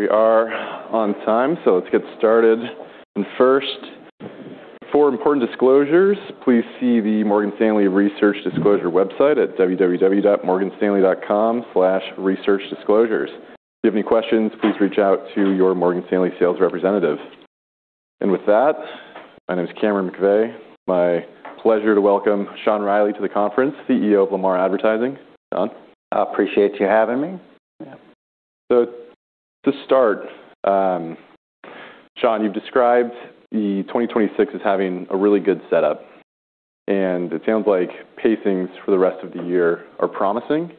We are on time, so let's get started. First, for important disclosures, please see the Morgan Stanley Research Disclosure website at www.morganstanley.com/researchdisclosures. If you have any questions, please reach out to your Morgan Stanley sales representative. With that, my name is Cameron McVeigh. My pleasure to welcome Sean Reilly to the conference, CEO of Lamar Advertising. Sean. I appreciate you having me. To start, Sean, you've described the 2026 as having a really good setup, and it sounds like pacings for the rest of the year are promising.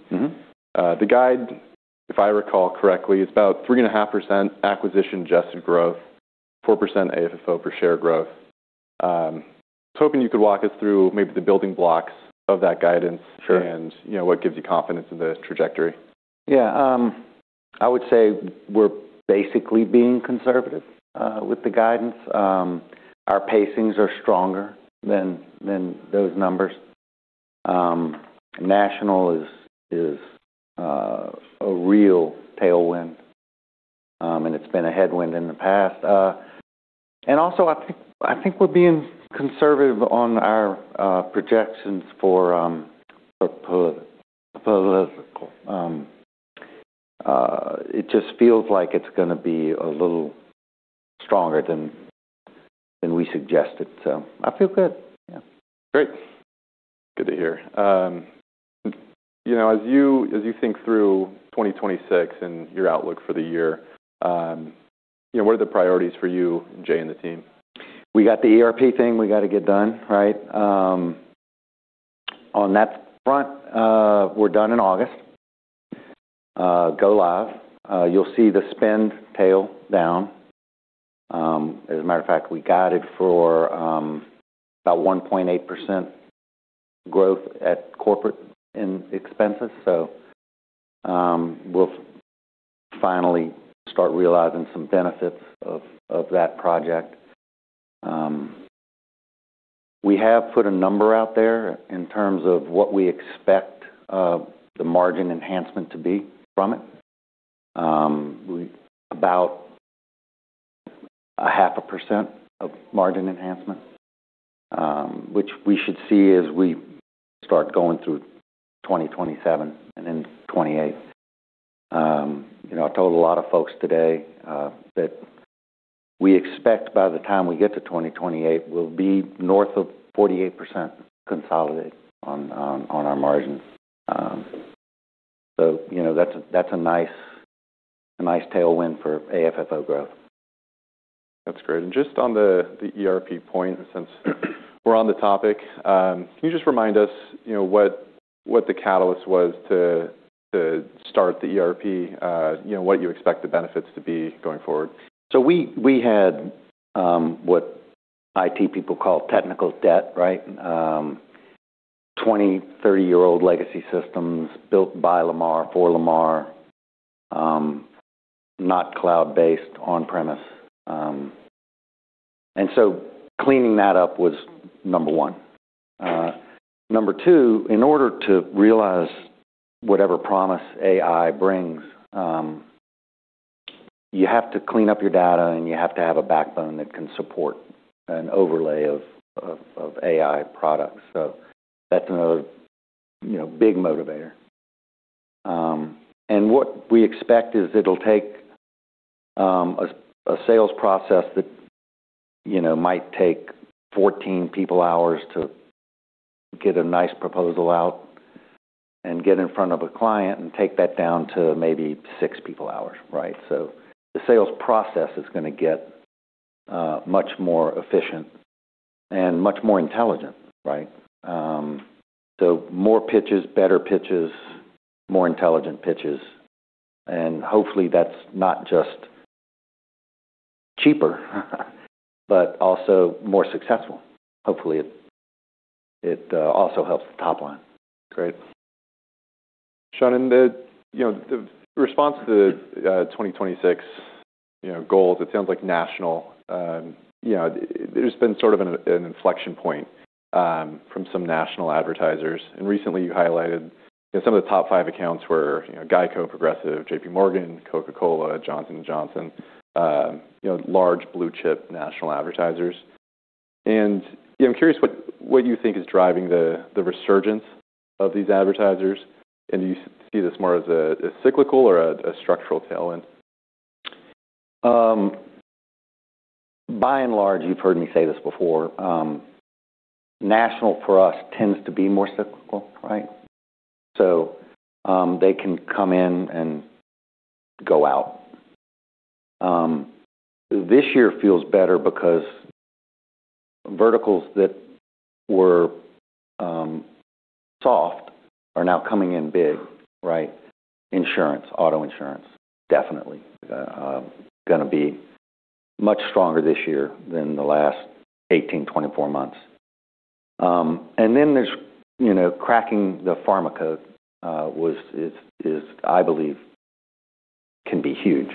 The guide, if I recall correctly, is about 3.5% acquisition-adjusted growth, 4% AFFO per share growth. Hoping you could walk us through maybe the building blocks of that guidance what gives you confidence in the trajectory. I would say we're basically being conservative with the guidance. Our pacing are stronger than those numbers. National is a real tailwind, and it's been a headwind in the past. Also I think we're being conservative on our projections for political. It just feels like it's gonna be a little stronger than we suggested. I feel good. Great. Good to hear. As you think through 2026 and your outlook for the year, you know, what are the priorities for you, Jay, and the team? We got the ERP thing we gotta get done, right? On that front, we're done in August. Go live. You'll see the spend tail down. As a matter of fact, we guided for about 1.8% growth at corporate in expenses. We'll finally start realizing some benefits of that project. We have put a number out there in terms of what we expect the margin enhancement to be from it. About a half a percent of margin enhancement, which we should see as we start going through 2027 and then 2028. You know, I told a lot of folks today that we expect by the time we get to 2028, we'll be north of 48% consolidated on our margin. You know, that's a nice tailwind for AFFO growth. That's great. Just on the ERP point, since we're on the topic, can you just remind us, you know, what the catalyst was to start the ERP, you know, what you expect the benefits to be going forward? We had what IT people call technical debt, right. 20, 30-year-old legacy systems built by Lamar for Lamar, not cloud-based, on-premise. Cleaning that up was number one. Number two, in order to realize whatever promise AI brings, you have to clean up your data, and you have to have a backbone that can support an overlay of AI products. That's another, you know, big motivator. What we expect is it'll take a sales process that, you know, might take 14 people hours to get a nice proposal out and get in front of a client and take that down to maybe 6 people hours, right. The sales process is gonna get much more efficient and much more intelligent, right. More pitches, better pitches, more intelligent pitches, and hopefully, that's not just cheaper, but also more successful. Hopefully, it also helps the top line. Great. Sean, in the, you know, the response to the, 2026, you know, goals, it sounds like national, you know, there's been sort of an inflection point, from some national advertisers. Recently, you highlighted that some of the top five accounts were GEICO, Progressive, JPMorgan, Coca-Cola, Johnson & Johnson, large blue-chip national advertisers. You know, I'm curious what you think is driving the resurgence of these advertisers, and do you see this more as a cyclical or a structural tailwind? By and large, you've heard me say this before, national for us tends to be more cyclical, right? They can come in and go out. This year feels better because verticals that were soft are now coming in big, right? Insurance, auto insurance, definitely, gonna be much stronger this year than the last 18, 24 months. There's, you know, cracking the pharma code, is I believe can be huge.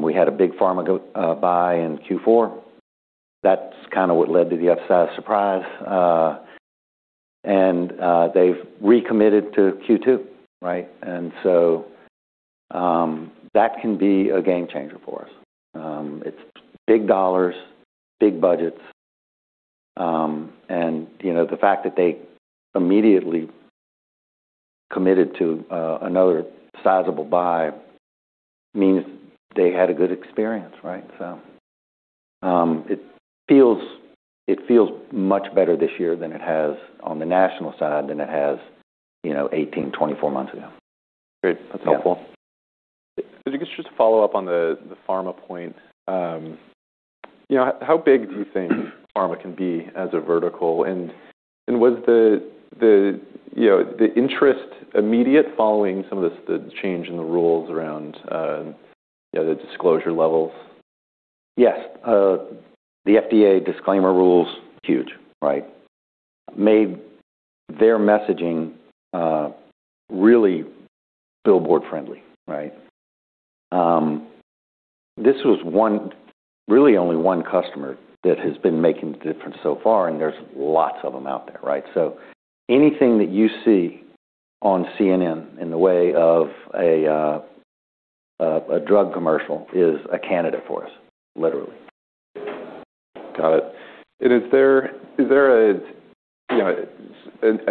We had a big pharma go buy in Q4. That's kinda what led to the upside surprise. They've recommitted to Q2, right? That can be a game-changer for us. It's big dollars, big budgets, and you know, the fact that they immediately committed to another sizable buy means they had a good experience, right? It feels much better this year than it has on the national side than it has, you know, 18, 24 months ago. Great. That's helpful. If I could just follow up on the pharma point. How big do you think pharma can be as a vertical? Was the, you know, the interest immediate following some of this, the change in the rules around, you know, the disclosure levels? Yes. The FDA disclaimer rule's huge, right? Made their messaging, really billboard-friendly, right? This was one really only one customer that has been making the difference so far, and there's lots of them out there, right? Anything that you see on CNN in the way of a drug commercial is a candidate for us, literally. Got it. Is there a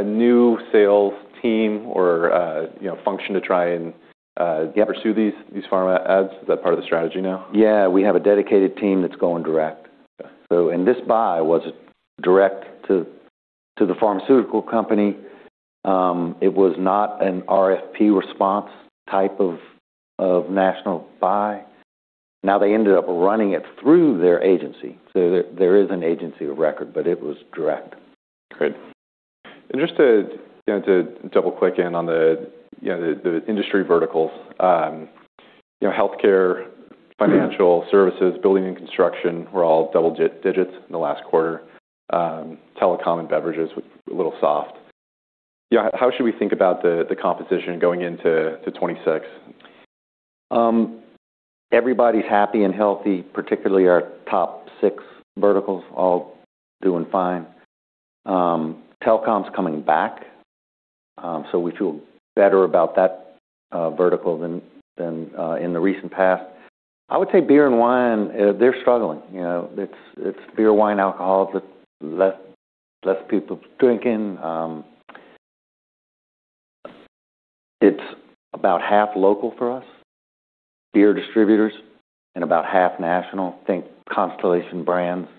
new sales team or a function to try and pursue these pharma ads? Is that part of the strategy now? We have a dedicated team that's going direct. This buy was direct to the pharmaceutical company. It was not an RFP response type of national buy. They ended up running it through their agency, so there is an agency of record, but it was direct. Great. Just to double-click in on the industry verticals, you know, healthcare, financial services, building and construction were all double digits in the last quarter. Telecom and beverages were a little soft. You know, how should we think about the composition going into 2026? Everybody's happy and healthy, particularly our top six verticals, all doing fine. Telecom's coming back, so we feel better about that vertical than in the recent past. I would say beer and wine, they're struggling. It's beer, wine, alcohol, there's less people drinking. It's about half local for us, beer distributors, and about half national. Think Constellation Brands.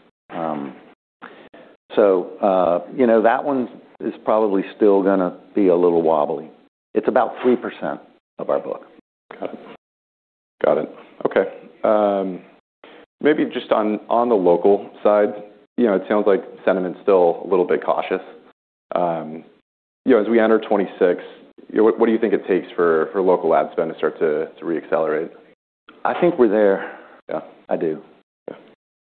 You know, that one is probably still gonna be a little wobbly. It's about 3% of our book. Got it. Okay. Maybe just on the local side it sounds like sentiment's still a little bit cautious. You know, as we enter 2026, what do you think it takes for local ad spend to start to re-accelerate? I think we're there. I do.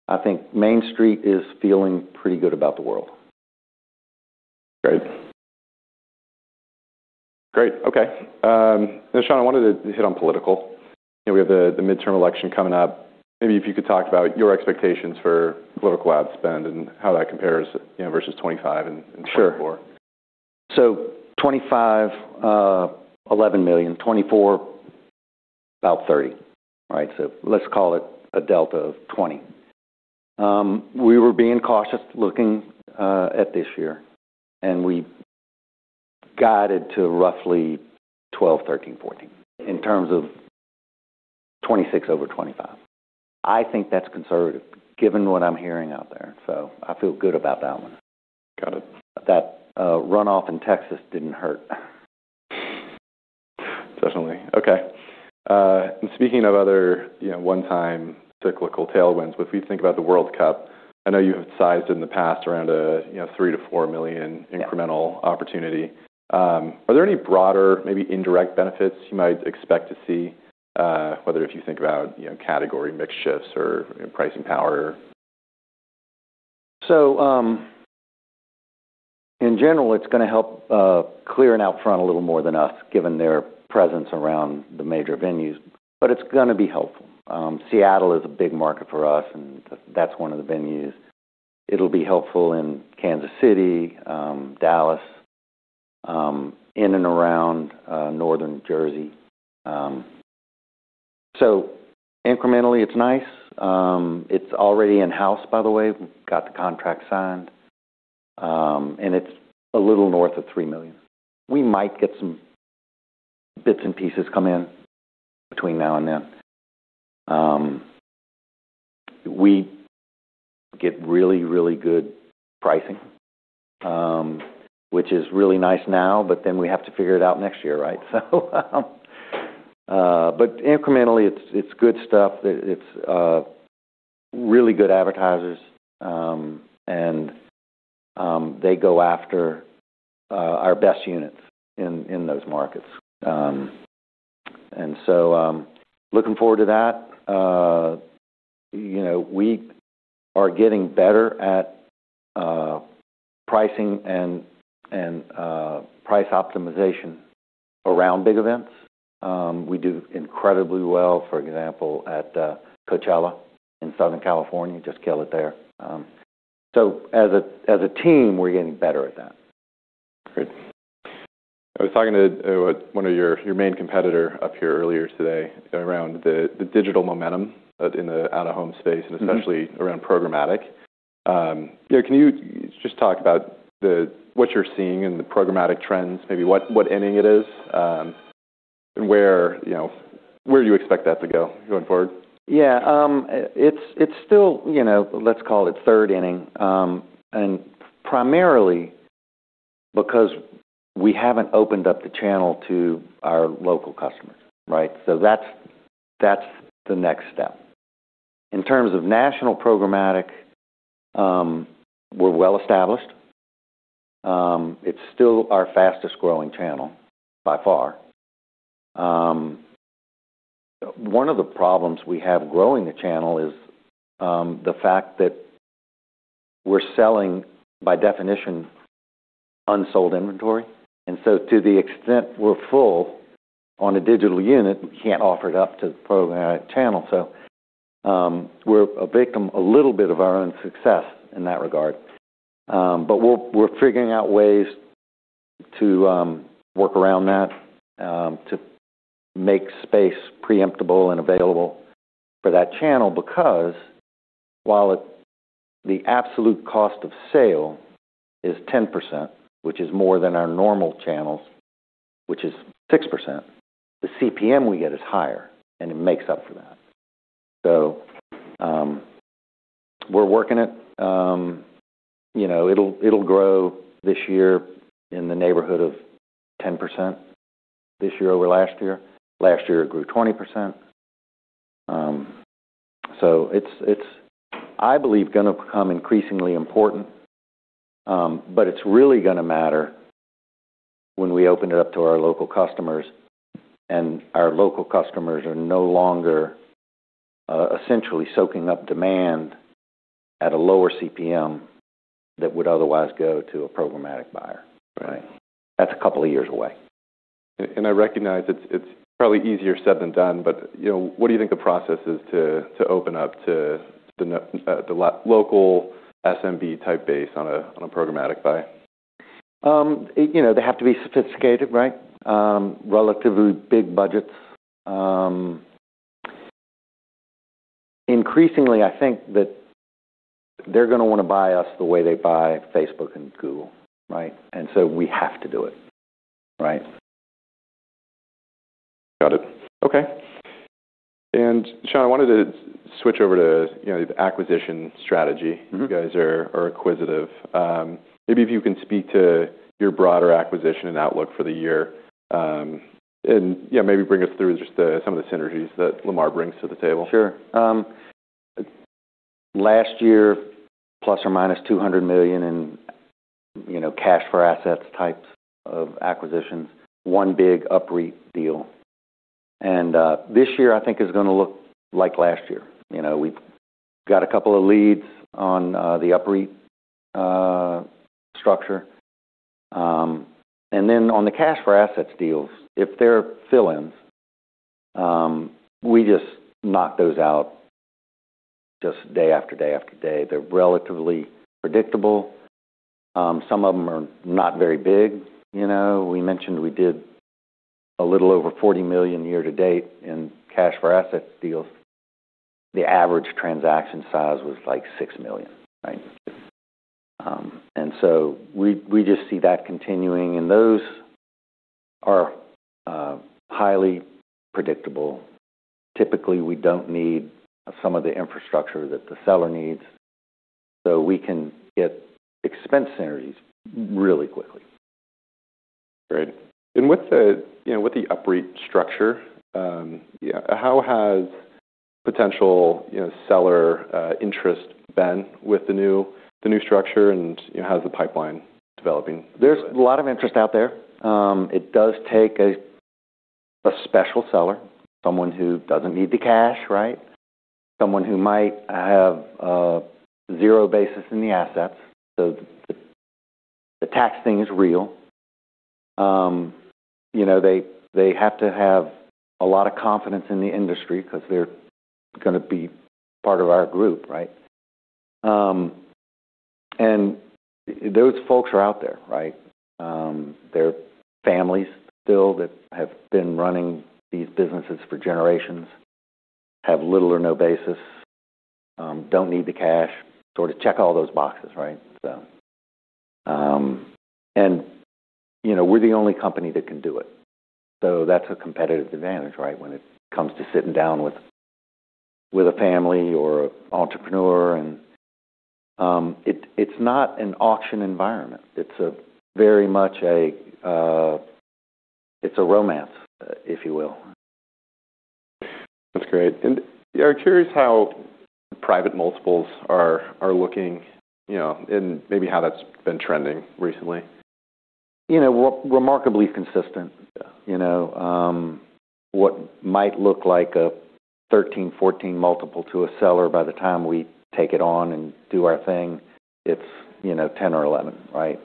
I think Main Street is feeling pretty good about the world. Great. Great. Okay. Sean, I wanted to hit on political. You know, we have the midterm election coming up. Maybe if you could talk about your expectations for political ad spend and how that compares, you know, versus 2025 and 2024. Sure. 2025, $11 million. 2024, about $30, right? Let's call it a delta of $20. We were being cautious looking at this year, and we guided to roughly $12, $13, $14 in terms of 2026 over 2025. I think that's conservative, given what I'm hearing out there. I feel good about that one. Got it. That runoff in Texas didn't hurt. Definitely. Okay. Speaking of other, you know, one-time cyclical tailwinds, but if we think about the World Cup, I know you have sized in the past around a, you know, $3 to $4 million incremental opportunity. Are there any broader, maybe indirect benefits you might expect to see, whether if you think about, you know, category mix shifts or, you know, pricing power? In general, it's gonna help Clear and Outfront a little more than us, given their presence around the major venues, but it's gonna be helpful. Seattle is a big market for us, and that's one of the venues. It'll be helpful in Kansas City, Dallas, in and around Northern Jersey. Incrementally, it's nice. It's already in-house, by the way. We've got the contract signed. It's a little north of $3 million. We might get some bits and pieces come in between now and then. We get really, really good pricing, which is really nice now, but then we have to figure it out next year, right? Incrementally it's good stuff. It's really good advertisers. They go after our best units in those markets. Looking forward to that. You know, we are getting better at pricing and, price optimization. Around big events. We do incredibly well, for example, at Coachella in Southern California. Just kill it there. As a team, we're getting better at that. Great. I was talking to one of your main competitor up here earlier today around the digital momentum in the out-of-home space especially around programmatic. You know, can you just talk about what you're seeing in the programmatic trends, maybe what inning it is, and where, you know, where do you expect that to go going forward? It's still, let's call it third inning, primarily because we haven't opened up the channel to our local customers, right? That's the next step. In terms of national programmatic, we're well established. It's still our fastest-growing channel by far. One of the problems we have growing the channel is the fact that we're selling, by definition, unsold inventory. To the extent we're full on a digital unit, we can't offer it up to the programmatic channel. We're a victim a little bit of our own success in that regard. We're, we're figuring out ways to work around that to make space preemptable and available for that channel because while the absolute cost of sale is 10%, which is more than our normal channels, which is 6%, the CPM we get is higher, and it makes up for that. We're working it. You know, it'll grow this year in the neighborhood of 10% this year over last year. Last year, it grew 20%. It's, it's, I believe, gonna become increasingly important, but it's really gonna matter when we open it up to our local customers and our local customers are no longer essentially soaking up demand at a lower CPM that would otherwise go to a programmatic buyer. That's a couple of years away. I recognize it's probably easier said than done, but, you know, what do you think the process is to open up to the local SMB type base on a programmatic buy? You know, they have to be sophisticated, right? Relatively big budgets. Increasingly, I think that they're gonna wanna buy us the way they buy Facebook and Google, right? We have to do it, right? Got it. Okay. Sean, I wanted to switch over to, you know, the acquisition strategy. You guys are acquisitive. Maybe if you can speak to your broader acquisition and outlook for the year? Maybe bring us through just some of the synergies that Lamar brings to the table? Sure. Last year, ±$200 million in cash for assets types of acquisitions, one big UPREIT deal. This year I think is going to look like last year. We've got a couple of leads on the UPREIT structure. On the cash for assets deals, if they're fill-ins, we just knock those out just day after day after day. They're relatively predictable. Some of them are not very big. We mentioned we did a little over $40 million year-to-date in cash for assets deals. The average transaction size was $6 million, right? We just see that continuing, those are highly predictable. Typically, we don't need some of the infrastructure that the seller needs, we can get expense synergies really quickly. Great. With the, you know, with the UPREIT structure, how has potential seller, interest been with the new structure and how's the pipeline developing? There's a lot of interest out there. It does take a special seller, someone who doesn't need the cash, right? Someone who might have zero basis in the assets. The tax thing is real. You know, they have to have a lot of confidence in the industry because they're gonna be part of our group, right? And those folks are out there, right? There are families still that have been running these businesses for generations, have little or no basis, don't need the cash. Sort of check all those boxes, right? And, you know, we're the only company that can do it. That's a competitive advantage, right? When it comes to sitting down with a family or entrepreneur and it's not an auction environment. It's a very much a, it's a romance, if you will. That's great. Curious how private multiples are looking and maybe how that's been trending recently? Remarkably consistent. What might look like a 13x, 14x multiple to a seller by the time we take it on and do our thing, it's 10x or 11x, right?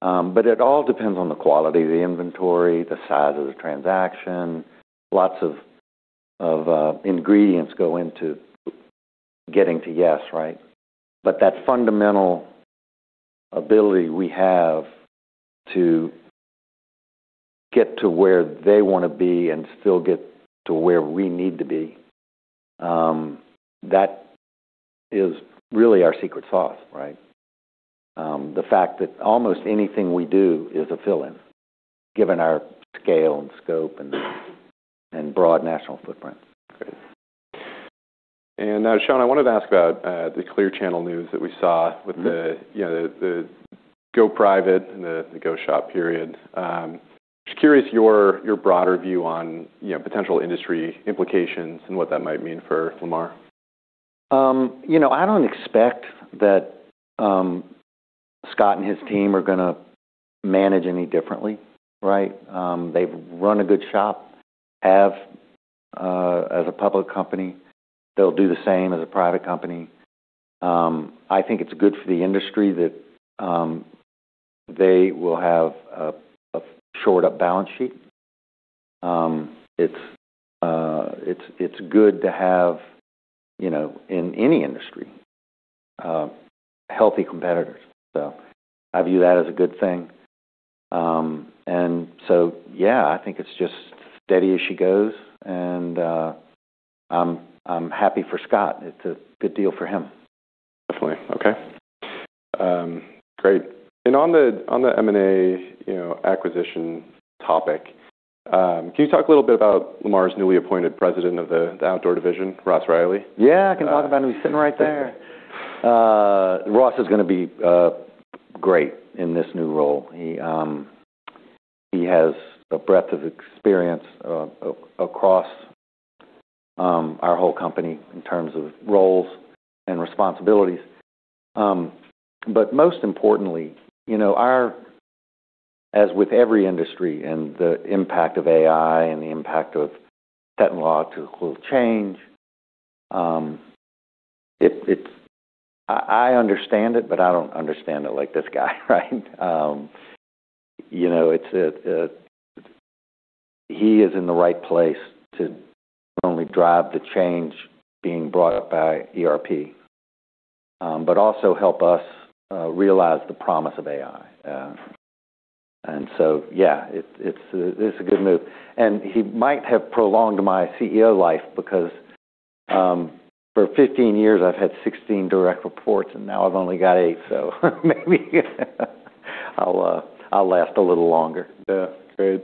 It all depends on the quality of the inventory, the size of the transaction. Lots of ingredients go into getting to yes, right? That fundamental ability we have to get to where they wanna be and still get to where we need to be, that is really our secret sauce, right? The fact that almost anything we do is a fill-in, given our scale and scope and broad national footprint. Great. Now, Sean, I wanted to ask about the Clear Channel news that we saw. With the, you know, the go private and the go shop period. Just curious your broader view on, you know, potential industry implications and what that might mean for Lamar. I don't expect that Scott and his team are gonna manage any differently, right? They've run a good shop, as a public company, they'll do the same as a private company. I think it's good for the industry that they will have a shored up balance sheet. It's good to have, you know, in any industry, healthy competitors. I view that as a good thing. It's just steady as she goes, and I'm happy for Scott. It's a good deal for him. Definitely. Okay. Great. On the, on the M&A acquisition topic, can you talk a little bit about Lamar's newly appointed president of the outdoor division, Ross Reilly? I can talk about him. He's sitting right there. Ross is gonna be great in this new role. He has a breadth of experience across our whole company in terms of roles and responsibilities. Most importantly, you know, as with every industry and the impact of AI and the impact of patent law to change, I understand it, but I don't understand it like this guy, right? He is in the right place to not only drive the change being brought up by ERP, but also help us realize the promise of AI. It's a good move. He might have prolonged my CEO life because, for 15 years I've had 16 direct reports, and now I've only got eight, so maybe I'll last a little longer. Great.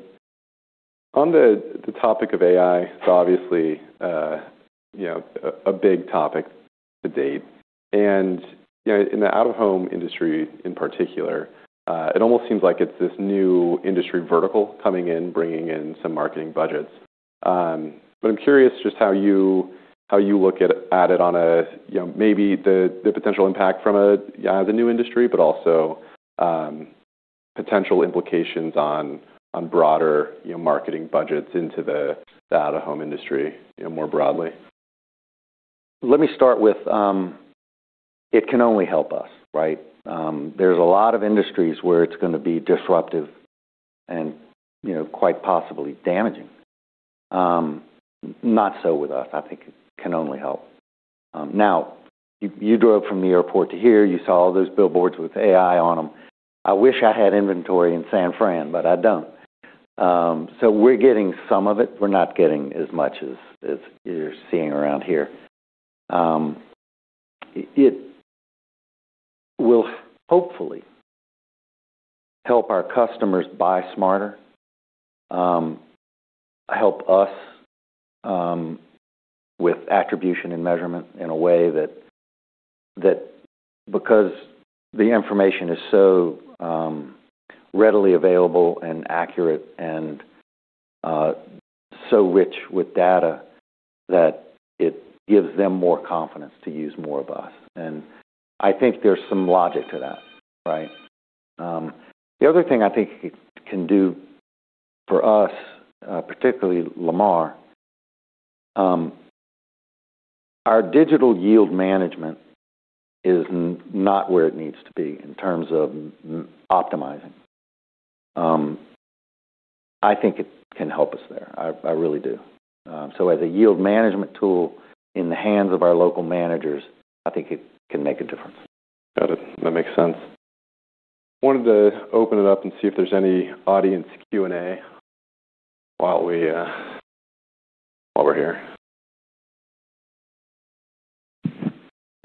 On the topic of AI, it's obviously, a big topic to date. You know, in the out-of-home industry in particular, it almost seems like it's this new industry vertical coming in, bringing in some marketing budgets. I'm curious just how you look at it on a, you know, maybe the potential impact from a new industry, but also potential implications on broader, you know, marketing budgets into the out-of-home industry, you know, more broadly. Let me start with, it can only help us, right? There's a lot of industries where it's gonna be disruptive and, you know, quite possibly damaging. Not so with us. I think it can only help. Now, you drove from the airport to here, you saw all those billboards with AI on them. I wish I had inventory in San Fran, but I don't. We're getting some of it. We're not getting as much as you're seeing around here. It will hopefully help our customers buy smarter, help us with attribution and measurement in a way that because the information is so readily available and accurate and so rich with data that it gives them more confidence to use more of us. I think there's some logic to that, right? The other thing I think it can do for us, particularly Lamar, our digital yield management is not where it needs to be in terms of optimizing. I think it can help us there. I really do. As a yield management tool in the hands of our local managers, I think it can make a difference. Got it. That makes sense. Wanted to open it up and see if there's any audience Q&A while we while we're here.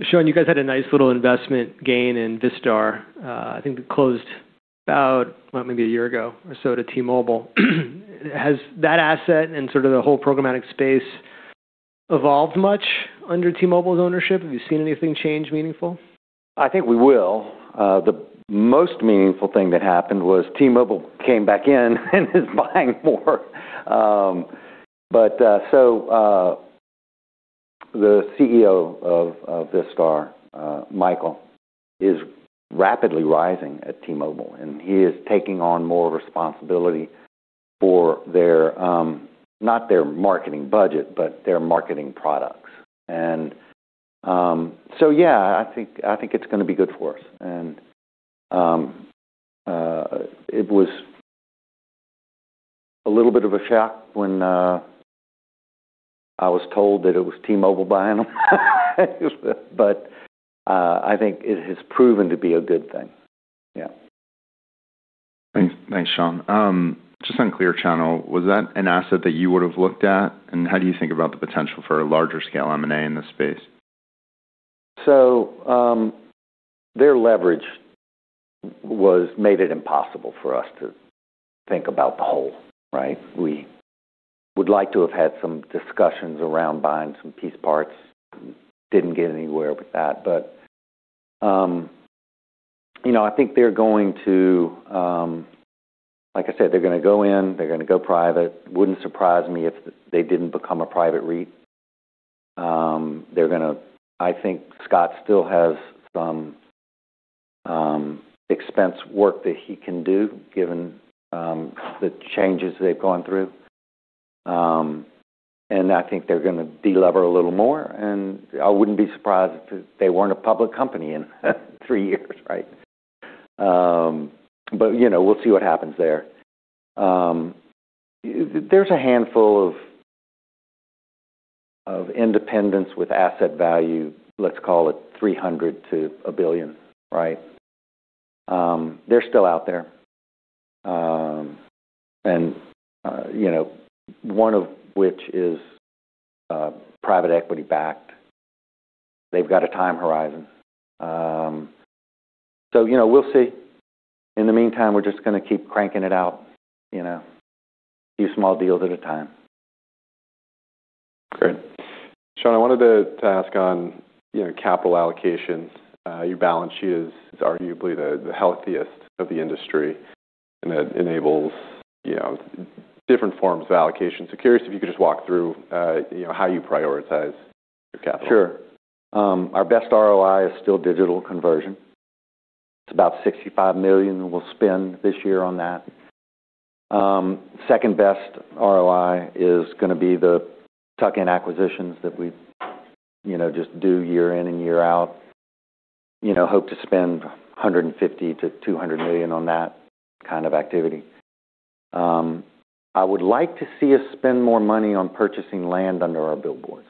Sean, you guys had a nice little investment gain in Vistar. I think it closed about maybe a year ago or so to T-Mobile. Has that asset and sort of the whole programmatic space evolved much under T-Mobile's ownership? Have you seen anything change meaningful? I think we will. The most meaningful thing that happened was T-Mobile came back in and is buying more. The CEO of Vistar, Michael, is rapidly rising at T-Mobile, and he is taking on more responsibility for their not their marketing budget, but their marketing products. It's gonna be good for us. It was a little bit of a shock when I was told that it was T-Mobile buying them. I think it has proven to be a good thing. Thanks. Thanks, Sean. Just on Clear Channel, was that an asset that you would have looked at? How do you think about the potential for a larger-scale M&A in this space? Their leverage made it impossible for us to think about the whole, right? We would like to have had some discussions around buying some piece parts. Didn't get anywhere with that. You know, I think they're going to. Like I said, they're gonna go in, they're gonna go private. Wouldn't surprise me if they didn't become a private REIT. I think Scott still has some expense work that he can do given the changes they've gone through. And I think they're gonna de-lever a little more, and I wouldn't be surprised if they weren't a public company in 3 years, right? You know, we'll see what happens there. There's a handful of independents with asset value, let's call it $300 million to $1 billion, right? They're still out there. One of which is private equity-backed. They've got a time horizon. You know, we'll see. In the meantime, we're just gonna keep cranking it out, you know, a few small deals at a time. Great. Sean, I wanted to ask on capital allocations. Your balance sheet is arguably the healthiest of the industry. It enables different forms of allocation. Curious if you could just walk through how you prioritize your capital. Sure. Our best ROI is still digital conversion. It's about $65 million we'll spend this year on that. Second best ROI is gonna be the tuck-in acquisitions that we just do year in and year out. You know, hope to spend $150 million to $200 million on that activity. I would like to see us spend more money on purchasing land under our billboards.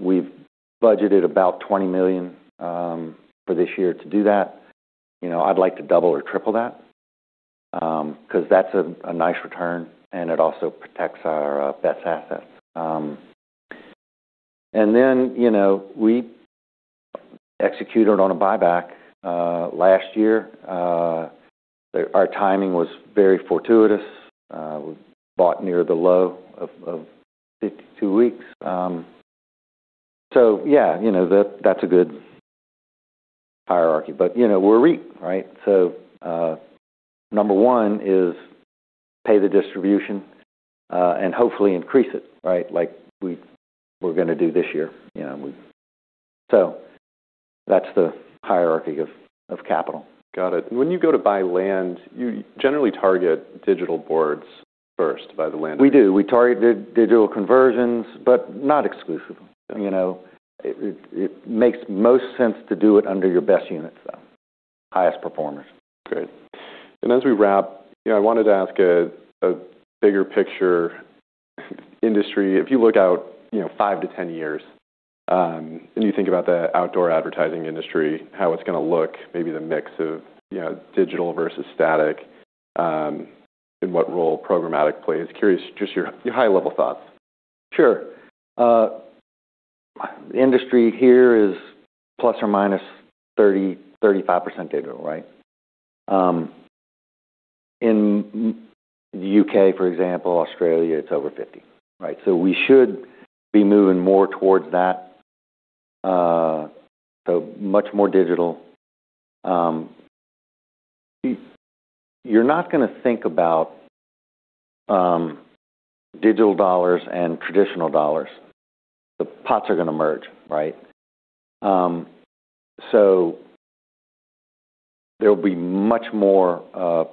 We've budgeted about $20 million for this year to do that. I'd like to double or triple that, 'cause that's a nice return, and it also protects our best assets. You know, we executed on a buyback last year. Our timing was very fortuitous. We bought near the low of 52 weeks. That's a good hierarchy. We're REIT, right? Number one is pay the distribution and hopefully increase it, right? Like we're gonna do this year. That's the hierarchy of capital. Got it. When you go to buy land, you generally target digital boards first by the land. We do. We target digital conversions, not exclusively. You know, it makes most sense to do it under your best units, though, highest performers. Great. As we wrap, I wanted to ask a bigger picture industry. If you look out, you know, 5-10 years, and you think about the outdoor advertising industry, how it's gonna look, maybe the mix of, you know, digital versus static, and what role programmatic plays. Curious, just your high level thoughts. Sure. Industry here is ±30%-35% digital, right? In U.K., for example, Australia, it's over 50%, right? We should be moving more towards that. Much more digital. You're not gonna think about digital dollars and traditional dollars. The pots are gonna merge, right? There'll be much more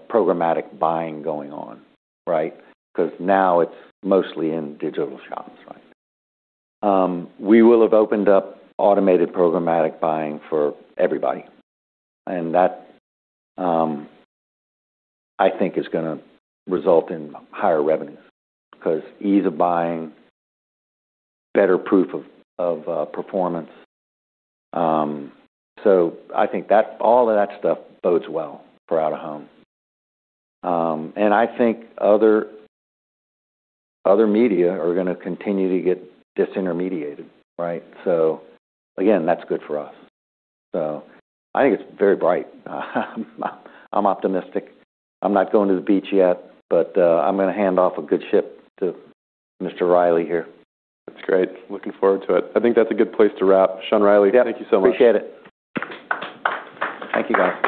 programmatic buying going on, right? 'Cause now it's mostly in digital shops, right? We will have opened up automated programmatic buying for everybody, and that, I think, is gonna result in higher revenues 'cause ease of buying, better proof of performance. I think that all of that stuff bodes well for out-of-home. I think other media are gonna continue to get disintermediated, right? Again, that's good for us. I think it's very bright. I'm optimistic. I'm not going to the beach yet, but, I'm gonna hand off a good ship to Mr. Reilly here. That's great. Looking forward to it. I think that's a good place to wrap. Sean Reilly. Thank you so much. Appreciate it. Thank you, guys.